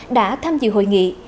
đã tham dự hội nghị